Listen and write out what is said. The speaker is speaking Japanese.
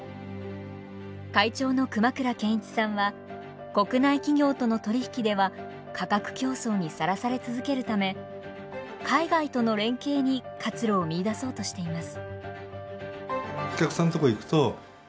会長の熊倉賢一さんは国内企業との取り引きでは価格競争にさらされ続けるため海外との連携に活路を見いだそうとしています。